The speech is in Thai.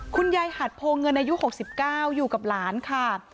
หัดโพเงินอายุ๖๙อยู่กับหลานค่ะ